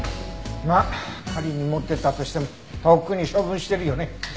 まあ仮に持ってたとしてもとっくに処分してるよね。